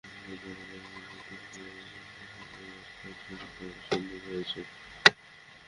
কিন্তু নতুন প্রযুক্তিতে দিনে প্রায় তিন হাজার খাদ শনাক্ত করা সম্ভব হয়েছে।